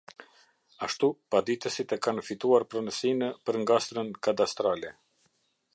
ashtu paditësit e kanë fituar pronësinë për ngastrën kadastrale.